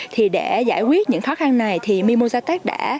thì để giải quyết những khó khăn này thì mimosa tech đã